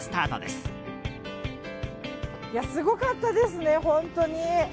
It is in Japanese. すごかったですね、本当に。